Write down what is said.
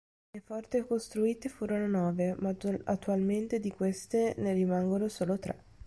Le porte costruite furono nove, ma attualmente di queste ne rimangono solo tre.